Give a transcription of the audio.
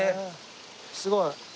すごい。